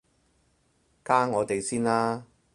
加我哋先啦